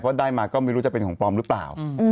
เพราะได้มาก็ไม่รู้จะเป็นของปลอมหรือเปล่า